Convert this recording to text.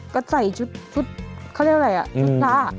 ก็ใส่ชุดชุดเขาเรียกว่าอะไรอะชุดท่า